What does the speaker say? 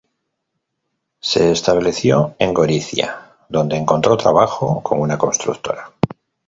Se estableció en Gorizia, donde encontró trabajo en una constructora.